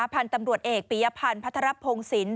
พันธุ์ตำรวจเอกปียพันธ์พัทรพงศิลป